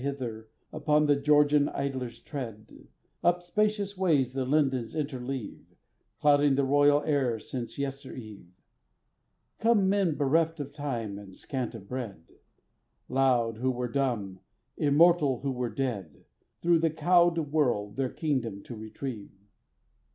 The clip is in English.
Hither, upon the Georgian idlers' tread, Up spacious ways the lindens interleave, Clouding the royal air since yester eve, Come men bereft of time and scant of bread, Loud, who were dumb, immortal, who were dead, Thro' the cowed world their kingdom to retrieve.